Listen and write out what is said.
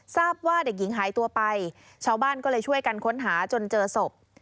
ทราบว่าเด็กหญิงหายตัวไปชาวบ้านก็เลยช่วยกันค้นหาจนเจอศพ